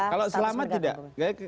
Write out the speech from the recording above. kalau selamat tidak